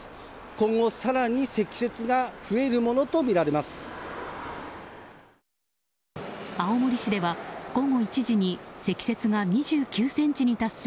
今後、更に積雪が増えるものとみられます。